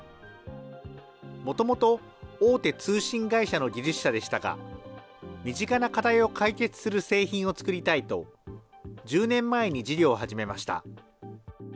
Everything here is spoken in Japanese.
もともと、大手通信会社の技術者でしたが、身近な課題を解決する製品を作りたいと、１０年前に事業を始めました。